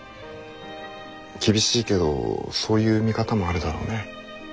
厳しいけどそういう見方もあるだろうね。